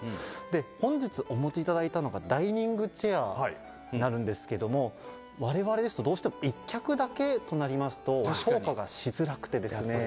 本日、お持ちいただいたのがダイニングチェアになるんですけども我々ですと、どうしても１脚だけとなりますと評価がしづらくてですね。